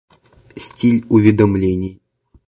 Стиль уведомлений